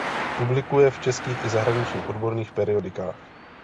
Publikuje v českých i zahraničních odborných periodikách.